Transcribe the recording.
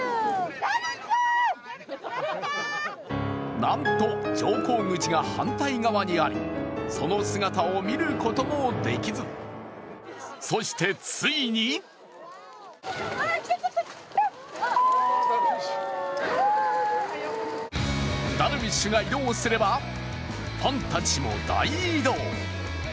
なんと乗降口が反対側にあり、その姿を見ることもできずそして、ついにダルビッシュが移動すればファンたちも大移動。